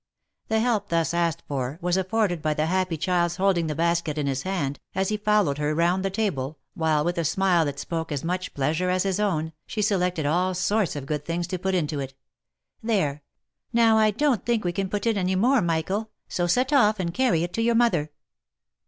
The help thus asked for, was afforded by the happy child's hold ing the basket in his hand, as he followed her round the table, while with a smile that spoke as much pleasure as his own, she se lected all sorts of good things to put into it. " There ! now I don't think we can put in any more, Michael ; so set off, and carry it to your mother."